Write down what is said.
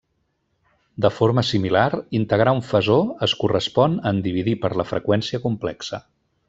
De forma similar, integrar un fasor es correspon en dividir per la freqüència complexa.